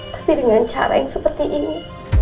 tapi dengan cara yang seperti ini